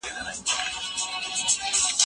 هغه استاد چي معلومات نه لري لارښوونه نه کوي.